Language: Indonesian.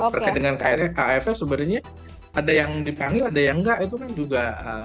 terkait dengan aff sebenarnya ada yang dipanggil ada yang enggak itu kan juga